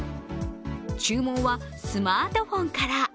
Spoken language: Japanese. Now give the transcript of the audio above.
注文はスマートフォンから。